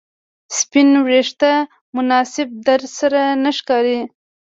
سپین ویښته مناسب درسره نه ښکاري